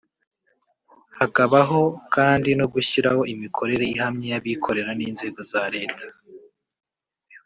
hakabaho kandi no gushyiraho imikorere ihamye y’abikorera n’inzego za leta